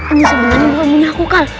ini sebenarnya mainan aku kal